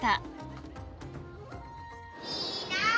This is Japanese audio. いいなぁ。